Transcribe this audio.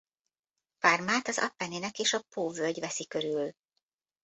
Parmát az Appenninek és a Pó-völgy veszi körül.